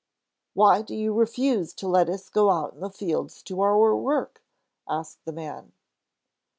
"Why do you refuse to let us go out in the fields to our work?" asked the man.